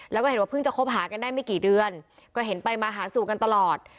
แล้วก็เห็นว่าเพิ่งจะคบหากันได้ไม่กี่เดือนก็เห็นไปมาหาสู่กันตลอด